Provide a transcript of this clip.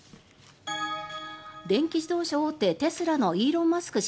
電気自動車大手テスラのイーロン・マスク